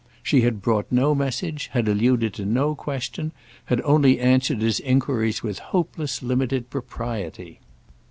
She had brought no message, had alluded to no question, had only answered his enquiries with hopeless limited propriety.